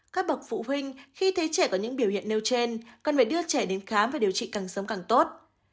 các bậc phụ huynh khi thấy trẻ có những biểu hiện nêu trên cần phải đưa trẻ đến khám và điều trị càng sớm càng tốt